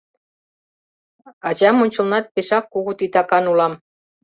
Ачам ончылнат пешак кугу титакан улам...